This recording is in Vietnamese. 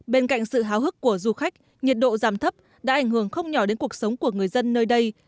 bên cạnh sự háo hức của du khách nhiệt độ giảm thấp đã ảnh hưởng không nhỏ đến cuộc sống của người dân nơi đây